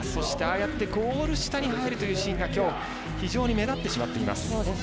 ゴール下に入るというシーンがきょう非常に目立ってしまっています。